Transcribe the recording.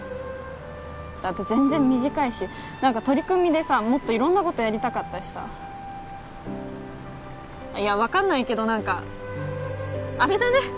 だって全然短いし何か取り組みでさもっと色んなことやりたかったしさいや分かんないけど何かあれだね